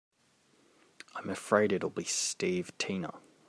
I'm afraid it'll be Steve Tina.